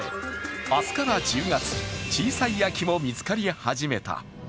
明日から１０月、小さい秋も見つかり始めた。